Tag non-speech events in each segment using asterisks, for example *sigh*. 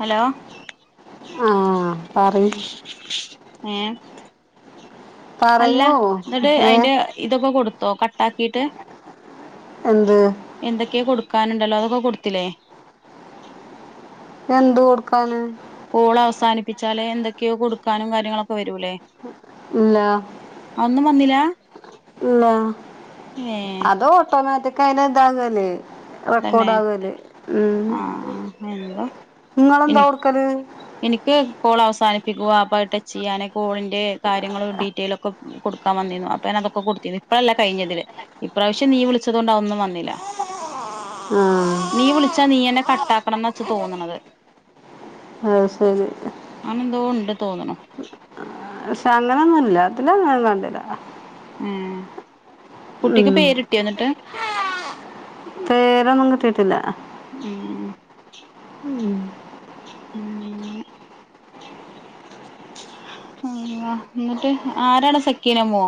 Hello ആ പറി ഏ അല്ല പറയൂ ന്നട്ട് ഏ അയിന്റെ ഇതൊക്കെ കൊടു ടോക്കൺസ് ആക്കിയിട്ട് എന്ത് എന്തൊക്കെയാ കൊടു ക്കാണുണ്ടല്ലോ അതൊക്കെ കൊടുത്തില്ലെ എന്ത് കൊടുക്കാന്? കോൾ അവസാനിപ്പിച്ചാല് എന്തൊക്കെയോ കൊടുക്കാനും കാര്യങ്ങളൊക്കെ വരൂലേ? അതൊന്നും വന്നീല അതോ ഓട്ടോമാറ്റിക് *unintelligible* റെക്കോഡ് തന്നെ ആകുകല് ഉം ആ എന്തോ ങ്ങളെന്താ എനി കൊടുക്കല്. എനിക്ക് കോൾ അവസാനിപ്പിക്കുക അപ്പൊ *unintelligible* ചെയ്യാനെ കോളിന്റെ കാര്യങ്ങളും ഡീറ്റെയിലൊക്കെ കൊടുക്കാൻ വന്നേന്ന് *unintelligible* അതൊക്കെ കൊടുത്തേന്ന് ഇപ്പഴല്ല കഴിഞ്ഞതില് ഇപ്രാവശ്യം. നീ ആഹ് വിളിച്ചാ നീ എന്നെ കട്ടാക്കണംന്ന് ച്ച് തോന്നണത്. ഓ അത് ശരി ണ്ട് തോന്ന്ണ് പക്ഷെ അങ്ങനൊന്നും ഇല്ല പിന്നെ ഞാൻ കണ്ടില്ല ഉം കുട്ടിക്ക് ഉം പേര്ട്ടിയോ ന്നട്ട്. പേരൊന്നും കിട്ടീട്ടില്ല. ഉം ഊം മ് ന്ന എന്നിട്ട് ആരാണ് സക്കീനമ്മോ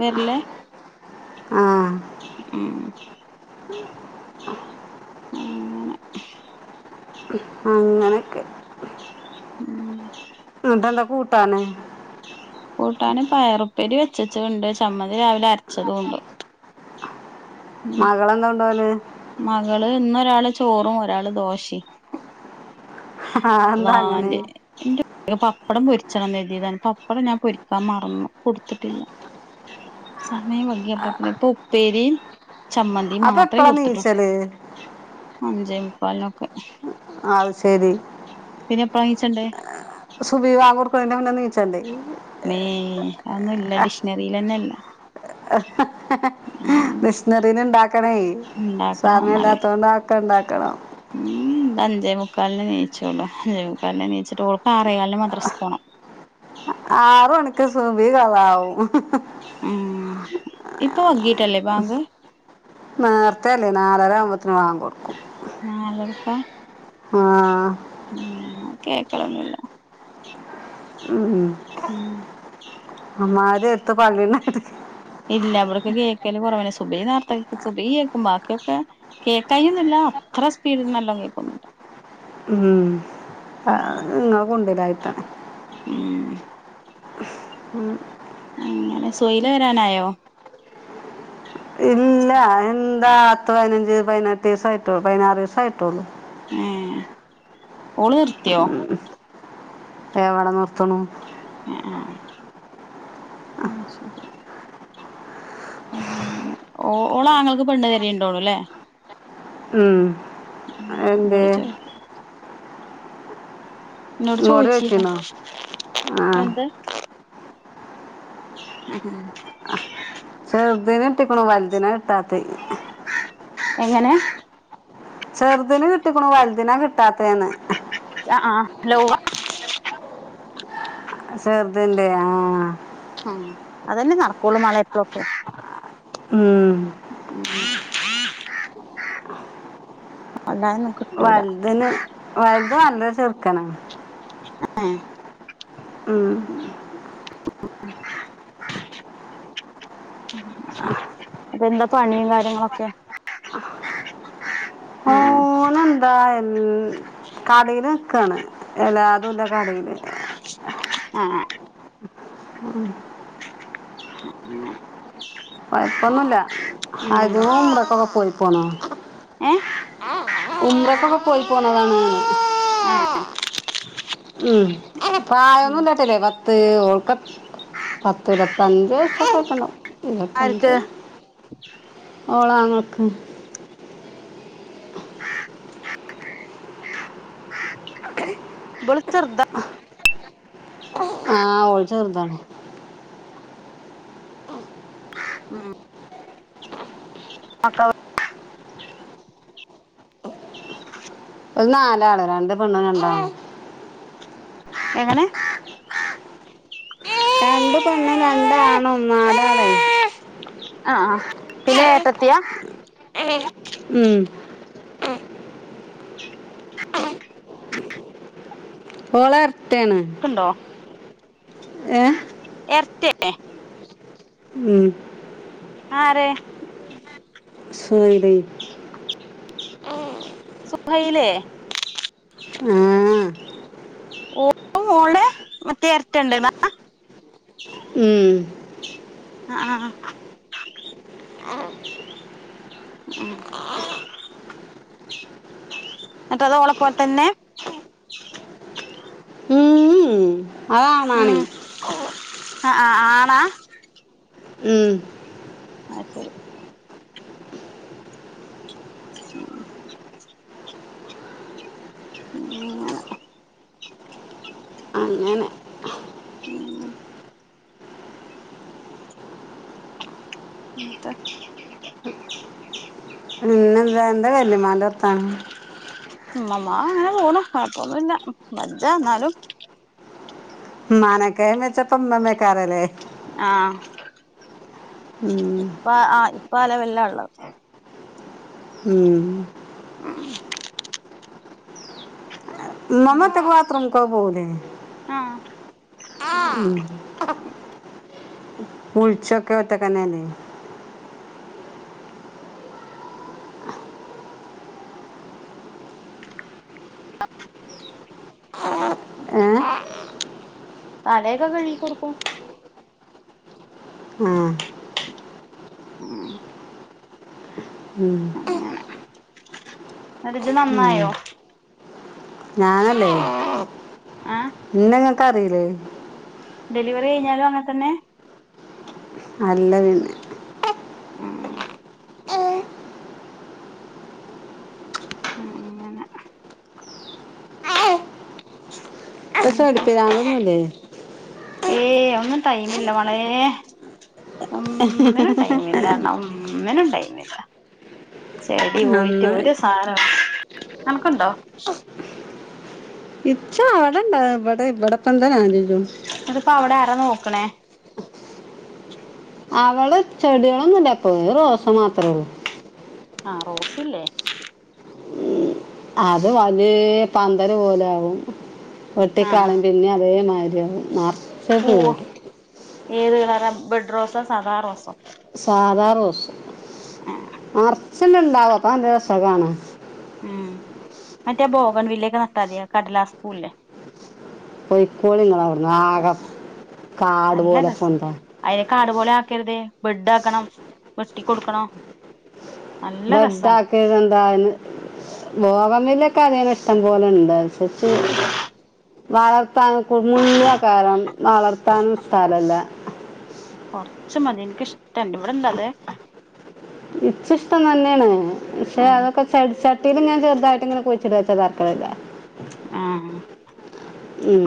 വരില്ല ആഹ് മ് ങ്ങനെ അങ്ങനെയൊക്കെ ഉം എന്നിട്ടെന്താ കൂട്ടാന് കൂട്ടാന് പയറുപ്പേരി വെച്ചേച്ച ഉണ്ട് ചമ്മതി രാവിലെ അരച്ചതും ഉണ്ട്. മകളെന്താ കൊണ്ടുവന്ന് മകള് ഇന്നൊരാള് ചോറും ഒരാള് ദോശേം. അതെന്താ അങ്ങനെ വാന്റെ എന്റെ *unintelligible* പ്പടം പൊരിച്ചതെന്ന് കരുതിയതാണ് പപ്പടം നാൻ പൊരിക്കാൻ മറന്നു പൊരിത്തിട്ടില്ല സമയം വൈകിയപ്പത്തേന് ഇപ്പൊ ഉപ്പേരീം ചമ്മന്തി മാത്രെ കൊടു ച്ചെല് അഞ്ചേമുക്കാൽനൊക്കെ. അത് ശെരി. പിന്നെ എപ്പ്ളാണിച്ചെണ്ടേ? സുഭി ബാങ്കോർക്കണേനെമുന്നെ നീച്ചണ്ടേ? ആന്നുല്ല ഡിഷ്ണറിലെന്നില്ല. ഡിഷ്‌നറിലിണ്ടാക്കണേ ഉണ്ടാക്കണം എന്നാലേ സമയില്ലാത്തോണ്ട ക്കണ്ടാക്കണം. ഉം അഞ്ചേ മുക്കാലിനെണിച്ചോള്ളു അഞ്ചേ മുക്കാലിനെണിച്ചിട്ട് ഓൾക്കാറേകാലിന് മദ്രാസ്ക് പോണം. ആറ് മണി ക്ക്‌ സുബിതോധാനാവും. ഉം ഇപ്പ വൈകീട്ടല്ലേ ബാങ്ക്? *unintelligible* വാങ്ക് കൊടുക്കും നാലരപ്പ ആ ഉം ഞാൻ കേക്കലൊന്നുല്ല. ഉം ഒന്നാത് എടുത്ത് പള്ളീലകത്തേക്ക് ഇല്ല ഇവിടക്ക് കേക്കല് കുറവാണ് സുബൈ നേർത്ത കേ സുബൈ കേക്കും ബാക്കിയൊക്കെ കേക്കായൊന്നില്ല അത്ര സ്പീഡിൽ നല്ലോണം കേക്കൊന്നുല്ല. ഉം നിങ്ങ കൊണ്ടിടായിത്താണ് ഉം ഉം അങ്ങനെ സൊയില വരാനായോ? ഇല്ല, എന്താ? പത്ത് പയിനഞ്ച് പയിനെട്ട് സായിട്ടുള്ളൂ പയിനാറ് സായിട്ടുള്ളൂ. ഏ ഓള് ർത്തിയോ? എവടെ നിർത്തണു. ഏ ആ ശെരി. ഉം ങ്ങനെ ഓ ഓളങ്ങൾക്ക് പെണ്ണ് തെരീണ്ടോള്ളൂല്ലേ? ഉം എന്തേ? എന്നോട് ചോ ന്നോട് ഇങ്ങോട്ട് ചോയിചീല ചോദിച്ചിരുന്നോ ആ എന്ത്? അ ആ പ്പളോ വൽദിന കിട്ടാത്തെ. എങ്ങനെ? ചെറുതിന് കിട്ടിക്ണു വൽദിനാ കിട്ടാത്തേന്ന്. യ ആ ഹലോ ചെർതിന്റെ ആഹ് അഹ് അതന്നെ നടക്കുള്ളൂ മാളെത്രൊക്കെ ഉം *inaudible* *unintelligible* വൽതിന് വൽത് നല്ലചെറുക്കനാണ് *unintelligible* ഉം ഉ ഉ ഉ അപ്പെന്താ പണീംകാര്യങ്ങളൊക്കെ ആഹ് പിന്നെന്താ എൽ കടേല്നിക്കാണ് എലാതുള്ള കടേല് ആ ആഹ് ഉം ഉം അങ്ങനെ കൊയപ്പൊന്നുല്ല *unintelligible* ഉം പ്രസവൊക്കെ ഒ പ്പോന്നോ ഏ ഉംറക്കൊക്കെ പോയി പോന്നതാണ് *unintelligible* ഉം പ്രായൊന്നുല്ലട്ടില്ലേ പത്ത് ഓൾക്ക പത്ത് ഇരുപത്തഞ്ച് വയസ്സക്കെ ക്കണ്ടാവും ആര്ക്ക്? ഓളാങ്ങൾക്ക് ഇബ്ള് ച്ചെർതാ ആഹ് ഓള് ചെർതാണ് ഉം *unintelligible* നാലാള് രണ്ട് പെണ്ണ് രണ്ടാണും എങ്ങനെ? രണ്ട്പെണ്ണും രണ്ടാണും നാലാള് ആ ഹാ പിന്നെ ഏട്ടത്തിയാ ഉം ഓളർ ട്ടേയാണ് എർട്ടേ ഉം ആരെ സുഹൈല് സുഹൈലെയെ ആ ഓ ഓളെ മറ്റേ എരട്ടണ്ട്ന്നാ ഉം ആഹ് ആഹ് ന്ന്ട്ടത് ഓളപോലെ തന്നെയാ ആണാണേയ് ആഹ് ആഹ് ആണാ? ഉം അയ്ശെരി *unintelligible* അങ്ങനെ ഉം ഇന്നത്തെ പിന്നെന്താ എന്താ വല്ലിമ്മാന്റെ വർത്താനം? ഉമ്മമ്മ അങ്ങനെ പോണു കൊഴപ്പൊന്നും ഇല്ല വജ്ജ എന്നാലും മാനാകെയം വച്ച *unintelligible* ആഹ് ഉം ഇപ്പ ആ ഇപ്പ അലെവല്ലാള്ളത് ഉം ആ മ്മമ്മ ഒറ്റക്ക് ബാത്റൂമുക്കൊക്കെ പോവൂലെ? ആഹ് കുളിച്ചതൊക്കെ ഒറ്റക്കെന്നെല്ലേ? ഏ തലയൊക്കെ കഴുകി കൊടുക്കും ആ ഉം, ഉം അങ്ങനെ എന്നട്ട് ജ്ജ് ഉം. നന്നായോ ഞാനല്ലേ ഏഹ് ന്നെങ്ങ ക്കറീലേ? ഡെലിവറി കഴിഞ്ഞാലും അങ്ങനെ തന്നെ? അല്ല പിന്നെ ഉം അങ്ങനെ ചെടിപ്പിരാന്തൊന്നുല്ലേ? ഏ ഒന്നും ടൈമില്ല മോളേ ഒന്നിനും ടൈം ഇല്ലർഞ്ഞാ ഒന്നിനും ടൈമില്ല ചെടി പോയിട്ട് നന്നായി ഒരു സാനോം അനക്കുണ്ടോ ഇച്ച് അവിടെണ്ടാ ഇവിടെ ഇവിടപ്പന്താ ഞാൻ ചെയ്യാ തും അപ്പൊ അവിടെ ആരാ നോക്കണേ അവടെ ചെടികളൊന്നും ഇല്ല ഇപ്പൊ റോസ മാത്രേ ഉള്ളു ആ റോസ്സില്ലേ അത് വലിയ പന്തല് പോലെ ആവും ആഹ് വെട്ടിക്കളയും ആഹ് പിന്നയും അതേ മാതിരി നാ *unintelligible* പൂവ് ഏത് കളറാ ബെഡ് റോസൊ സാദാ റോസോ സാധാ റോസ് ആഹ് *unintelligible* നല്ല രസ കാണാൻ ഉം മറ്റേ ബോഗൺ വില്ലേക്കെ നട്ടാതി കടലാസ് പൂവ്ല്ലേ പൊയികോളിങ്ങള ആകെ കാട് നല്ല പോലെ രസാ കൊന്ത അതിനെ കാട് പോലെ ആക്കര്തേ ബെഡ് ആക്കണം വെട്ടികൊടുക്കണം വെഡാക്കാനിതെന്താന്ന് വോഗൻ വില്ലെ ഇപ്പതെ വെട്ടം പോല്ണ്ട് ചെച്ച് വളർത്താന് കുമുള്ള കാരണം വളർത്താനും സ്ഥലല്ല കൊറച്ച് മതി എനിക്ക്ഷ്ടണ്ട് ഇവിട്ണ്ടത് ഇച്ചിഷ്ടം തന്നെണ് പക്ഷെ അതൊക്കെ ചെടിച്ച *unintelligible* ഞാ ചെറുതായിട്ട്ങ്ങനെ കുഴിച്ചിട്ച്ച തർക്കരല്ല ആഹ്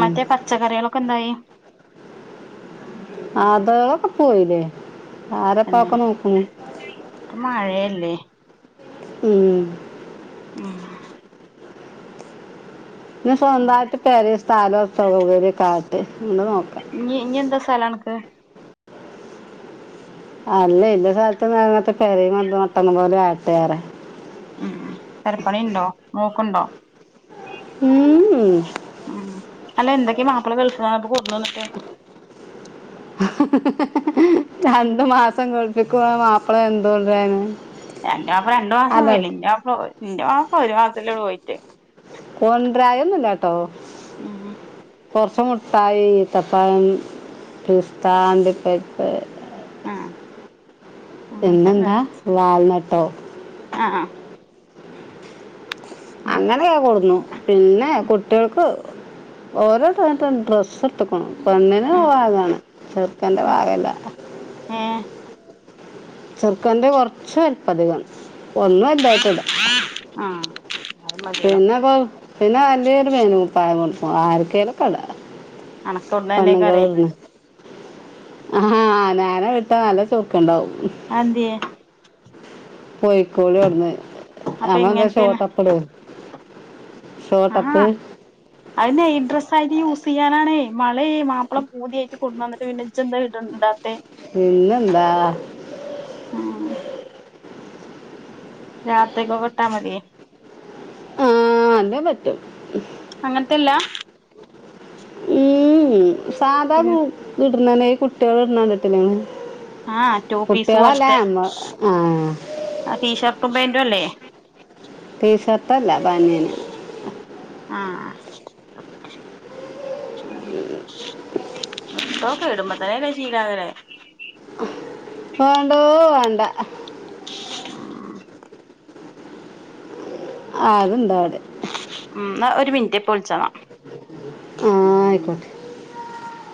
മറ്റേ പച്ചക്കറികൾ കെന്തായി അതോക്ക് പോയില്ലേ പിന്നെ ആരപ്പാക്ക നോക്കുന്നു ല്ലേ ഉം ഉം ന്നെ സൊന്തായിട്ട് പെരേ സ്ഥലൊ സൗകര്യൊക്കാട്ട് *unintelligible* ഇനി ഇഞ്ഞ് എന്താ സ്ഥലണക്ക് അല്ല ഇല്ല സ്ഥലത്തങ്ങത്തെ പെരേമെ മട്ടന്ന് പോലായി പേറെ ഉം തരപ്പണിണ്ടോ മൂക്കുണ്ടോ ഉം ഉം അല്ല എന്തൊക്കെയ മാപ്പിള ഗൾഫ്ന്നപ്പോ കൊണ്ട്ന്നിട്ടെ രണ്ട് മാസം ഗൾഫ്ക്ക് പോയ മാപ്പിള എന്തൊണ്ടരാന് എന്റാപ്പ രണ്ടു മാസം *unintelligible* ന്റ വാപ്പ ഒരു മാസല്ലേ പോയിട്ട് കൊണ്ട്രായൊന്നുല്ലാട്ടോ ഉം കൊറച്ച് മുട്ടായി ഇത്തപ്പയം പിസ്ഥ അണ്ടിപ്പരിപ്പ്‌ ആഹ് അങ്ങനത്തെ പിന്നെന്താ വാൾനട്ട് ട്ടോ ആഹ് ആഹ് ഉം അങ്ങനെയ കൊടുന്നു പിന്നെ ഉം കുട്ടികൾക്ക് ഓരോ *unintelligible* ഡ്രസ്റ്റ് ട്ത്ത്ക്ക്ണു പെണ്ണിന് ഉം പാകാണ് ചെറുക്കന്റെ ഉം പാകല്ല ഏഹ് ചെറുക്കന്റെ കുറച്ച് വല്പതികണ് ഒന്നും എന്റയിട്ടില്ലാ ആഹ് അത് മതിയല്ലോ പിന്നെപ്പം പിന്നെ വലിയൊരു മേനുപ്പായമുണ്ട് ഓഹ് ആര്ക്കെലുക്കെ ഇടാ അണക്കോണ്ട് *unintelligible* ആഹ് ആഹ് ഞാനെ വിട്ട നല്ല ചോർക്ക് ഇണ്ടാവും അന്തിയെ പോയിക്കോളിവിടന്ന് അപ്പൊ അവമ്മന എന്താ എങ്ങനത്തേണ് ഷോട്ടപ്പട ആഹ് അത് നൈറ്റ്‌ഡ്രസ് ആയി യൂസ് ചെയ്യാനാണ് മളെ മാപ്പള പൂതിയിട്ട് കൊണ്ടന്നിട്ട് പിന്നെന്ത്‌ ഇജ്ജ് ഇട് ഇടാത്തെ പിന്നെന്താ ഉം രാത്രിക്ക് ട്ടാ മതിയെ ആ *unintelligible* അങ്ങനത്തെല്ലാ ഉം സാധാ പിന്നെ മ് ഇട് *unintelligible* കുട്ടികൾ ഇട്ണണ്ടിട്ടില്ലെ ആഹ് ടോപ് പീസ് പോലത്തെ നമ്മ ആ ആഹ് ടീഷർട്ടും പെന്റും അല്ലേ ടി ഷർട്ടല്ല ബനിയൻ ആഹ് കേടുമ്പോ തന്നെല്ല ചീരാകെ വേണ്ടോ വേണ്ട ഉം അത്ണ്ടാ ന്ന ഒരു മിനിറ്റേ പ്പ വിൾച്ചോള ആഹ് ആയിക്കോട്ടെ